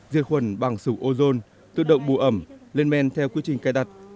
diệt khuẩn bằng sửu ozone tự động bù ẩm lên men theo quy trình cài đặt